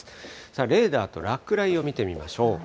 さあ、レーダーと落雷を見てみましょう。